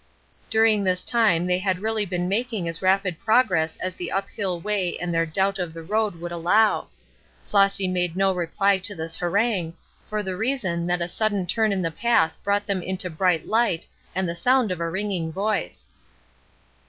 During this time they had really been making as rapid progress as the up hill way and their doubt of the road would allow. Flossy made no reply to this harangue, for the reason that a sudden turn in the path brought them into bright light and the sound of a ringing voice.